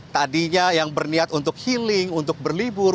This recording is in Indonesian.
tadinya yang berniat untuk healing untuk berlibur